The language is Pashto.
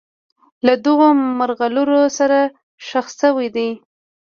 له دغو مرغلرو سره ښخ شوي دي.